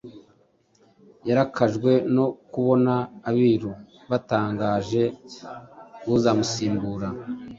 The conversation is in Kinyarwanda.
yarakajwe no kubona abiru batangaje uzamusimbura